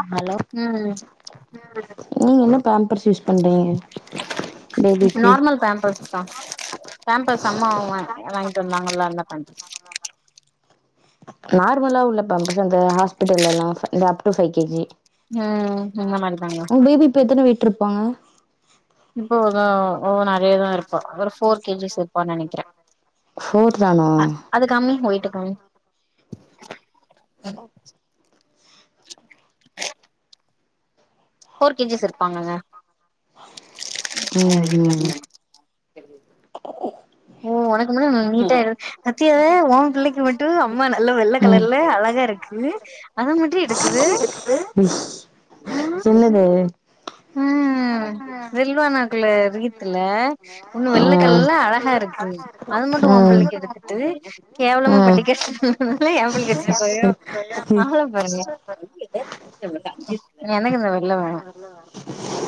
ஆ hello ம் நீங்க என்ன பேம்பர்ஸ் யூஸ் பண்றீங்க பேபிக்கு நார்மல் பேம்பர்ஸ் தா பேம்பர்ஸ் அம்மா வாய்ன்ட்டு வந்தாங்கல்ல அந்த பேம்பர்ஸ் நார்மலா உள்ள பேம்பர்ஸ் அந்த ஹாஸ்பிட்டல்லல்லா இந்த அப் டூ ஃபை கேஜி ம் இந்த மாரிதாங்க உங்க பேபி இப்ப எத்தன வெயிட்ருப்பாங்க இப்போ தா ஒ நறையாதாருப்பா ஒரு ஃபோர் கேஜிஸ் இரு ப்பா நெனக்கிறே ஃபோர் தானா ஃபோர் கே ஜி ஸ் இருப்பாங்கங்க ம் ம் ஓ ஒனக்கு மட்டு நல்லா நீட்டா பத்தியா ஓன் பிள்ளைக்கு மட்டு அம்மா நல்ல வெள்ள கலர்ல அழகா இருக்கு இது அது மட்டும் எடுக்குது ம் உம் என்னது உம் வெல்வானாக்குள்ள ரீத்துல ஒன்னு ஆ வெள்ளைக்கல்ல அழகா இருக்கு அது மட்டும் உன் ம் பிள்ளைக்கு எடுத்துட்டு கேவலமா ம் படிக்க எபிள்ள கெடசிதா [unintelligible] அவள பாருங்கள எனக்கு இந்த வெளில வேணும்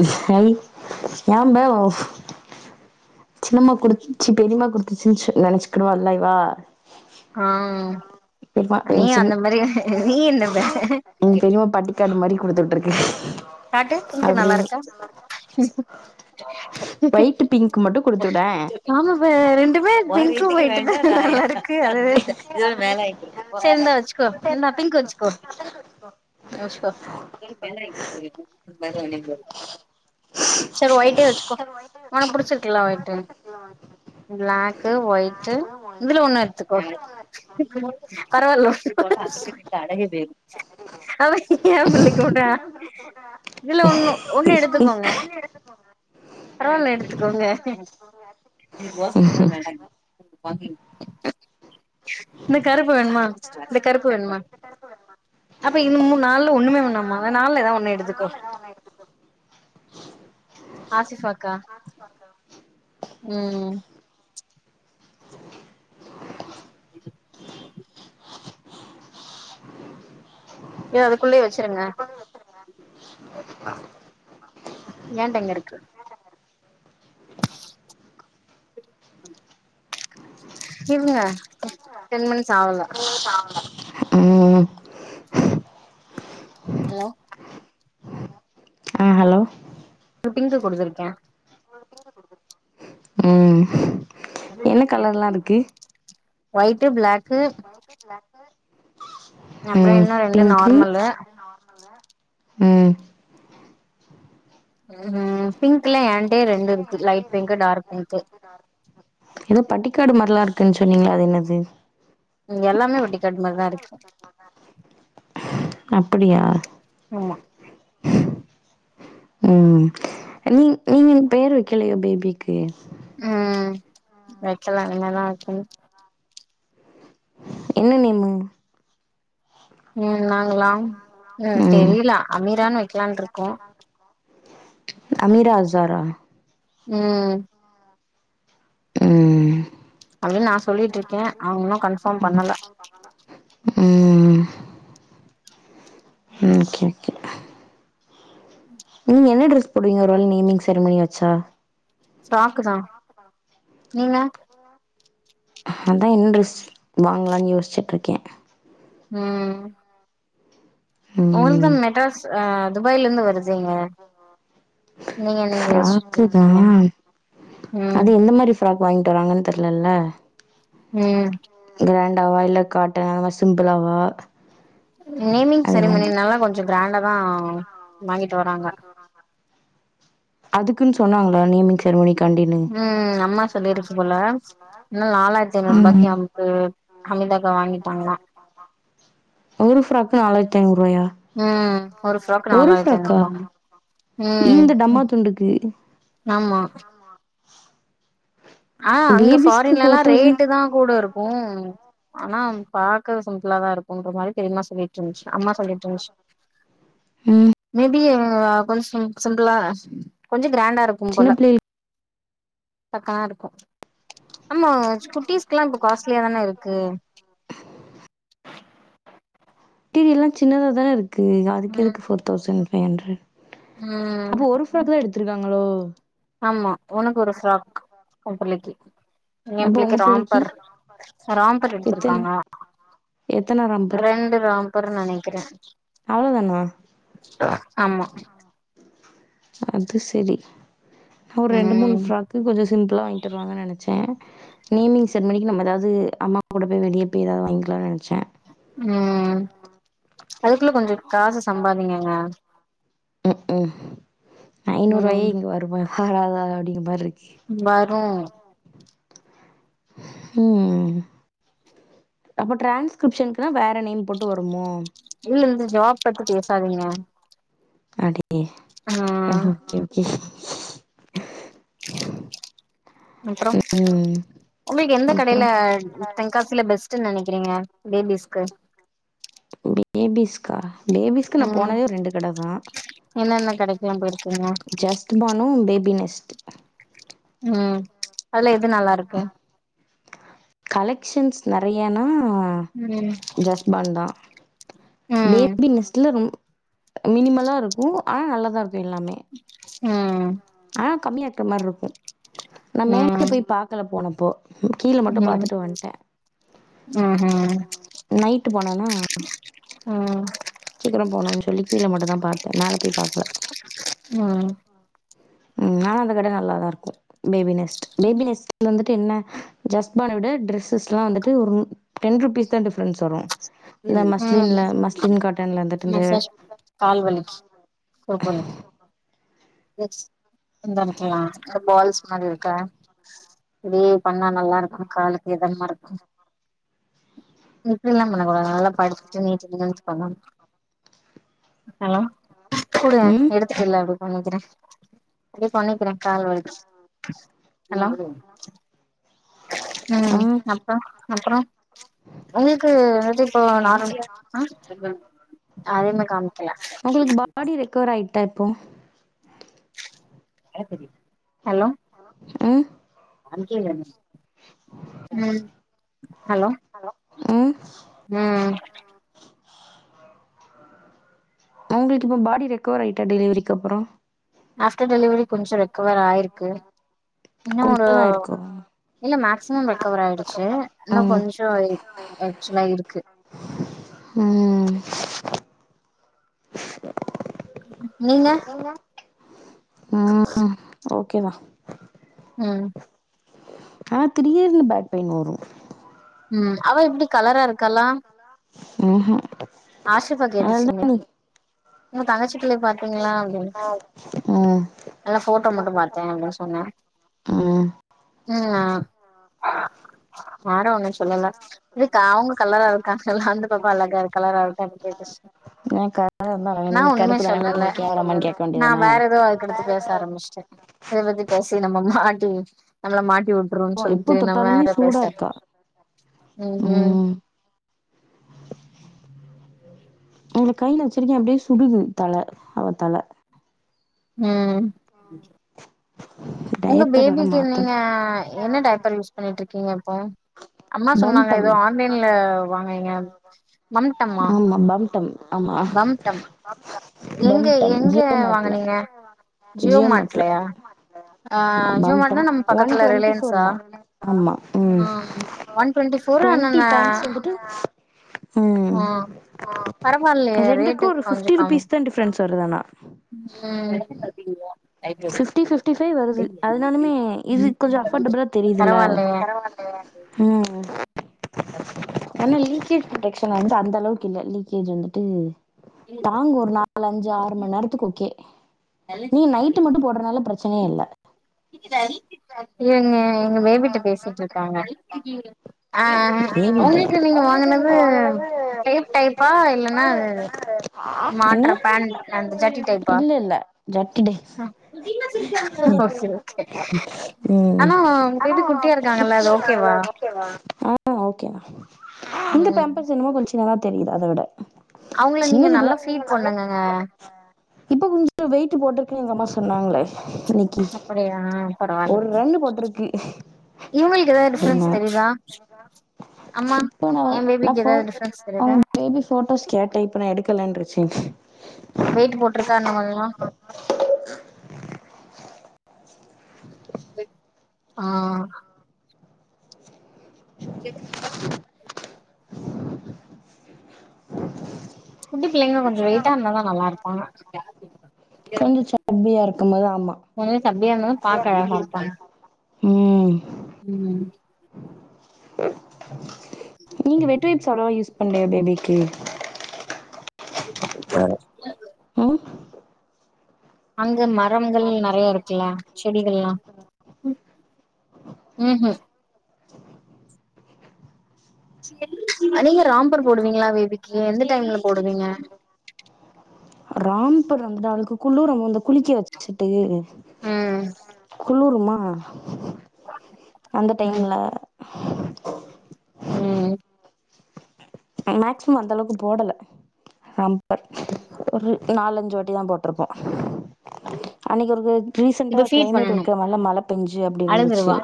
[unintelligible] சின்னம்மா குடுத்துச்சி பெரிம்மா குடுத்துச்சின்ச்சி நினைச்சிக்குடுவா இல்லைவா ஆ நீ எங்க அந்த சின் மாரி நீ என்ன பே அப்டினு கே கண்ணு மாரி குடுத்துவுட்ருக்கே காட்டு உனக்கு நல்லா இருக்கா ஒயிட் பிங்க் மட்டு குடுத்துவுடே ஆமாப்ப ரெண்டுமே இ பிங்கும் ஒய்ட்டு தா நல்லாருக்கு அதுவே இது சேரி இந்தா வச்சுக்கோ இந்தா பிங்க் வச்சுக்கோ வச்சுக்கோ எதுவு ஃபேர லவ்லி போடு சேரு ஒயிட்டே வச்சுக்கோ ஒனக் புடிச்சுருக்குல்ல ஒயிட்டு ப்ளாக்கு ஒயிட்டு இதுல ஒண்ணு எடுத்துக்கோ பரவால்ல வுடு அவ ஏ புள்ளக்கி கூட்டுவே [unintelligible] பரவா இல்ல எடுத்துக்கோங்க இந்த கருப்பு வேண்மா இந்த கருப்பு வேண்மா அப்ப இன்னு மூன் நாள்ல ஒண்ணுமே வேணாமா அந்த நால்ல எதா ஒன்னு எடுத்துக்கோ ஆஸிப்ஃபா இருக்கா ம் ம் [unintelligible] யா அதுக்குள்ளயே வச்சுருங்க ஏன்ட எங்க இருக்கு இருங்க டென் மினிட்ஸ் ஆவல ம் ம் ஹலோ அ ஹலோ ஒரு பிங்க்கு குடுத்துருக்கே ம் என்ன கலர்லா இருக்கு ஒய்ட்டு ப்ளாக்கு அப்புறோ ம் இன்னு ரெண்டு பிங்க்கு நார்மலு ம் ம் ஹும் பிங்க்லே ஏண்டே ரெண்டு இருக்கு லைட் பிங்க்கு டார்க் பிங்க்கு எதோ பட்டிக்காடு மார்லா இருக்குன்னு சொன்னீங்களே அது என்னது ம் எல்லாமே பட்டி காட் மாரிதா இருக்கு அப்புடியா ஆமா ம் நீங் நீங்க இன்னு பேர் வக்கெலையோ பேபிக்கு ம் வக்கெல இனிமேல் தா வக்கெனு என்ன நேமு ம் நாங்களாம் ம் தெரியல அமீரான் வக்கலான்ட்ருக்கோ அமீரா அஜாரா ம் ம் அப்டின் நா சொல்லிட்ருக்கே அவுங்க இன்னு கன்ஃபாம் பண்ணல ம் ம் ஓகே ஓகே நீங்க என்ன ட்ரெஸ் புடிங்காரோல் நேமிங் செருமணி ஆச்சா ஸ்டாக்கு தா நீங்க அதா என்ற ட்ரெஸ் வாங்கலான் யோஸ்ச்சுட்ருக்கே ம் உங்கலுக்தா ம் மெட்ராஸ் அ துபாய்ல இருந்து வருதுங்க நீங்க என்னங் ஃப்ராக்கு யோஸ்ட்ருக்கீங்க ம் ஃப்ராப் வாங்கிட்டு வராங்கன் தெர்லல ம் கிராண்டாவா இல்ல காட்டனா இல்ல சிம்ப்பளாவா நேமிங் சரிமணி நால கொஞ்ச கிராண்டா தா வாங்கிட்டு வராங்க அதுக்குன் சொன்னாங்ளா நேமிங் செர்மணிக் காண்டின்னு ம் அம்மா சொல்லிருக்கு போல நாலாயிரத்து ஐந்நூறு ம் ரூபாய்க்கு நம்க்கு [unintelligible] வாங்கிட்டாங்கல்லா ஒரு ஃப்ராக்கு நாலாயித் ஐநூற்வாயா ம் அ ஒரு ஃப்ராக் ஒரு நாலாயிரத்தி ஃப்ராக்கா ஐநூறுபாங்க ம் இந்த டம்மா ம். துண்டுக்கு ஆமா ஆ அங்க பேபிஸ்க்கு ஃபாரின்லல்லா ஃபோர் தௌசண்ட் ரேட்டு தா கூட இருக்கு ஆனா பாக்க சிம்பிளா தா இருக்குன்ற மாரி பெரிமா சொல்லிட்ருன்ச்சு அம்மா சொல்லிட்ருன்ச்சு ம் மேபி கொஞ்ச சிம்பிளா கொஞ்ச கிராண்டா இருக்கும் சின்ன போல பிள்ளைகளுக்கு [unintelligible] இருக்கு அமா குட்டீஸ்க்லா இப்ப காஸ்ட்லியா தான இருக்கு டீல்லா சின்னதா தான இருக்கு அதுக்கு ம் எதுக்கு ஃபோர் தௌசண்ட் ஃபை ஹன்ட்ரட் ம் ப்ப ஒரு ஃப்ராக் தா எடுத்துருக்காங்களோ ஆமா உனக்கு ஒரு ஃப்ராக் உ புள்ளைக்கி எ அப்போ பிள்ளைக்கு உங்க ராம்பர் ராம்பர் எத்தன எடுத்துருக்காங்க எத்தன ரம்பர் ரெண்டு ராம்பர் நெனைக்கறே அவ்ளோதானா ஆமா அது செரி ஒரு ரெண்டு மூண் ம் ஃப்ராக் க்கு கொஞ்ச சிம்பிளா வாங்கிட்டு வருவாங்கன் நெனச்சே நேமிங் சென்மணிக்கு நம்ம எதாவது அம்மாக் கூட வெளிய போய் ஏதாவது வாங்கிக்லான் நெனச்சே ம் அதுக்குள்ள கொஞ்சோ காசு சம்பாதீங்கங்க ம் ம் ஐநூறுவாயே ம் இங்க வருமா வாராதா அப்படிங் மார் இருக் வரு ம் அப்போ ட்ரான்ஸ்கிரிப்ஷன்க்குனா வேற நேம் போட்டு வருமோ உல்ல இருந்து ஜாப் பத்தி பேசாதீங்க அடே ம் ஓகே ஓகே அப்றோம் ம் உங்ளுக் எந்த அப்றோ கடையில தென்காசியில பெஸ்ட்ன் நினைக்கிறீங்க பேபிஸ்க்கு பேபீஸ் கா பேபீஸ்கு நா ம் போனதே ரெண்டு கட தா என்னென்ன கடைக்குலா போயிருக்கீங்க ஜஸ் பானு பேபினெஸ்ட் ம் அல்ல எது நல்லா இருக்கு கலெக்ஷன்ஸ் நிறையான்னா ம் ஜஸ்ட் பன்தா ம் பேபி [inaudible] மினிமலா இருக்கு ஆனா நல்ல தா இருக்கு எல்லாமே ம் ஆனா கம்மியாக்குற மாரி இருக்கு நா மேல ம் போய் பாக்கல போனப்போ கீழ மட்டு பாத்துட்டு வந்ட்டே ம் நைட்டு போனனா ம் ம் சீக்ரோ போணுனு சொல்லி கீழ மட்டு தா பாத்தே மேல போய் பாக்ல ம் ம் ஆனா அந்த கடை நல்லா தா இருக்கு பேபி நெஸ்ட் பேபி நெஸ்ட் இது வந்துட்டு என்ன ஜஸ்ட் பார்ன விட டிரெஸ்ஸஸ் எல்லா வந்துட்டு ஒரு டென் ருபீஸ் தா டிஃபரன்ஸ் வரு இந்த ம் மஸ்லின்ல மஸ்லின் காட்டன்ல வந்துட்டு இந்த கால்வலிக்கு குறுக்வலிக்கு [inaudible] பால்ஸ் மாரி இருக்க இப்டி பண்ண நல்லா இருக்கு காலுக்கு இதமாருக்கு இப்டில்லா பண்ண கூடாது நல்லா படிச்சிட்டு நீட் இஞ்சினியரிங் பண்ணனு ஹலோ குடுங்க ம் எடுத்துடல அப்டி பண்ணிக்கிறே அப்டி பண்ணிக்ற கால் வலிக்கு ஹலோ ஆ ம் அப்றோ அப்றோ உங்களுக்கு [unintelligible] இப்போ நார்ம ம் அதேமே காணு உங்களுக்கு பாடி ரெக்கவர் ஆயிட்டா இப்போ ஹலோ ம் ம் ஹலோ ஹலோ ம் ம் உங்களுக்கு இப்போ பாடி ரெக்கவர் ஆயிட்ட டெலிவரிக்கு அப்பறோ ஆஃப்டர் டெலிவரி கொஞ்சோ ரெக்கவர் ஆயிருக்கு இன்னு ஒரு கொஞ்ச தா இருக்கு இல்ல மேக்ஸ்மம் ரெக்கவர் ஆயிடுச்சு இன்னோ ம் கொஞ்சோ ஆக்சுல்லா இருக்கு ம் நீங்க ம் ஓகேதா ம் ஆ திடியர்னு பேக் பெய்ன் வரு ம் அவ எப்டி கலரா இருக்காலா ம்ஹ்ம் ஆஷிஃபா கேட்டுச்சு நேத்தி உங்க தங்கச்சி பிள்ளய பாத்தீங்ளா அப்டின்னு ம் அதா போட்டோ மட்டு பாத்தே அப்டின்னு சொன்னே ம் என்ன வாரா வாங்கன் சொல்லல இதுக்கா அவுங்க கல்லாரா இருக்காங்கலா அந்த பாப்பா அழகா இருக் [unintelligible] எனக்கு அதா நா நீங்க ஒண்ணுமே கருப்பு தான அப்ப சொல்லல நீங்க கேவலமான்னு கேட்க நா வேண்டியதானே வேற தோ அதுக்கடுத்து பேச ஆரம்பிச்ட்ட இத பத்தி பேசி நம்ம மாட்டி நம்மள மாட்டி உட் ருவு ஓ எப்போ சொல்ட்டு நா தொட்டாலுமே வேற சூடா பேசற இருக்கா ம் ம் அவ்ன கைல வச்சிருக்கே அப்டியே சுடுது தல அவ தல ம் உங்க டயப்பர் வேற பேபிக்கு மாத்தணு நீங்க என்ன டைப்பர் யூஸ் பண்ணிட்டு இருக்கீங்க இப்போ அம்மா சொன்னாங்க பம்டம் ஏதோ ஆன்லைன்ல வாங்குனிங்க ஆமா பம்டம் ஆமா பம்டம் எங்க பம்டம் எங்க ஜியோ மார்ட்ல வாங்கனீங்க ஜியோ மாட்லையா ஆ ஜியோ மாட்னா பம்டம் நம் ஒன் பக்கத்துல டுவெண்ட்டி ஃபோர் ரிலைன்ஸா தான் ஆமா ம் அ ஒன் டொன்டி ஃபோரு ஆனா டுவெண்ட்டி நா பேண்ட்ஸ் வந்துட்டு ம் பரவாயில்லையே ரெண்டுக்கு ரேட்டு ஒரு கொஞ்சோ ஃபிஃப்டி கம் ரூபிஸ்தா டிப்ரெனஸ் வருது ஆனா ம் ஃபிப்டி ஃபிப்டி ஃபை வருது அதுனாலுமே இது ம் கொஞ்சோ அஃபர்டபுளா தெரியுதில்ல பரவாயில்லையே ம் ஆனா லீக்கேஜ் ப்ரொடெக்ஸன் வந்து அந்தளவுக்கு இல்ல லீக்கேஜ் வந்துட்டு தாங்கு ஒரு நால் அஞ்சு ஆறு மண் நேரத்துக்கு ஓகே நீ நைட் மட்டு போட்றனால ப்ரெச்சனியே இல்ல எங்க எங்க பேபிட்ட பேசிட்ருக்காங்க ஆ ஏவிட்ட உங்ளுக்கு நீங்க வாங்குனது டேப் டைப்பா இல்லன்னா என்ன மாட்ர பேண் அந்த ஜட்டி டைப்பா இல்ல இல்ல ஜட்டுடே [unintelligible] ம் ஆனா ஆனா பேபி குட்டியா [unintelligible] இருக்காங்கல்ல அது ஓகேவா ஆ ஓகேதா இந்த ம் பேம்பர்ஸ் என்னமோ கொஞ் சின்னாதா தெரிது அத விட அவங்கள நீங்க சின்னது இல்ல நல்லா ஃபீட் பண்ணுங்கங்க இப்ப கொஞ்சோ வெயிட்டு போட்டிருக்க எங்க அம்மா சொன்னாங்ளே அன்னைக்கி அப்படியா ஒரு ரன்னு போட்டிருக்கு இவங்களுக் எதா டிஃப்ரன்ஸ் அப்டின்னாங்க தெரிதா அம்மா இப்போ நா நா எனபேபிக் ஃபோ எதாவ்து டிஃபரன்ஸ் தெரிதா அவங்க பேபி ஃபோட்டோஸ் கேட்ட இப்ப நா எடுக்கலன்ட்ருச்சு வெய்ட்டு போட்ருக்கா என்ன பாக்கலா ஆ [unintelligible] குட்டி பிள்ளைங்க கொஞ்சோ வெயிட்டா இருந்தாதா நல்லா இருப்பாங்க கொஞ்சோ சப்பியா இருக்கும் போது ஆமா நல்லா சப்பியா இருந்தாதா பாக்க அழகா இருப்பாங்க ம் ம் நீங்க வெட் வைப்ஸ் அவ்ளோவா யூஸ் பண்லையா பேபிக்கு வேற ம் அங்க மரங்கள் நெறைய இருக்குல்ல செடிகள்லா ம் ம் நீங்க ராம்பர் போடுவீங்களா பேபிக்கி எந்த டைம்ல போடுவீங்க ஆம்பர் வந்து அவுளுக்கு குளுரும்போத் இந்த குளிக்க வெச்சுட்டு ம் குளுருமா அந்த ம் டைம்ல [unintelligible] ம் ம் மேக்சிமம் அந்தளவுக்கு போடல காம்பேக்ட் ஒரு நாலஞ்சு வாட்டிதா போட்ருப்பே அன்னைக்கு ஒருக்க ரீசெண்டா இப்ப ஃபீட் க்ளைமேட் பண்ணனு ஒருக்க நல்ல மழ பெஞ்சு அப்டி இருந்துச்சு அழுதுருவா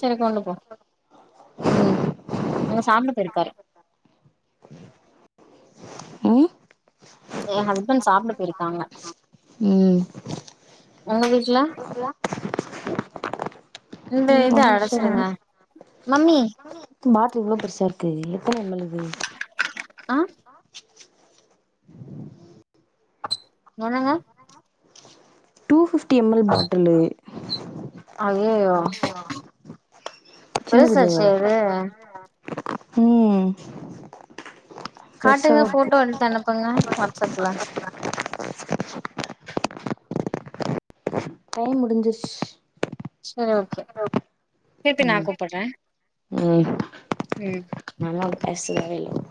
சரி கொண்டு போ ம் அங்க சாப்பிட போயிருக்காரு ம் என் ஹஸ்பெண்ட் சாப்ட போயிருக்காங்க ம் உங்க வீட்ல இந்த ம் இத ஒரு நிமிஷோ அடச்சிருங்க பாட்லு இவ்ளோ பெருசா இருக்கு எத்தன எம் எல் இது ஆ என்னங்க two fifty M L bottle ஐயையோ சின்னதில்லையா பெருசாச்சே இது ம் காட்டுங்க பெருசாதா இருக்கு ஃபோட்டோ எடுத்து அனுபுங்க வாட்ஸ்சப்ல டைம் முடிஞ்சிருச்சு சரி ஓகே திருப்பி நா ம் கூப்பிடுறே ம் ம் நாலா பேசவே இல்ல